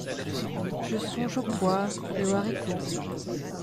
Je songe aux pois et aux haricots…